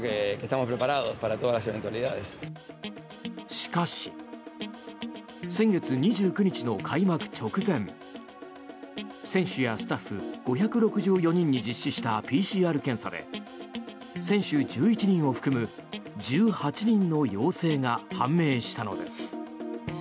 しかし、先月２９日の開幕直前選手やスタッフ５６４人に実施したＰＣＲ検査で選手１１人を含む１８人の陽性が判明したのです。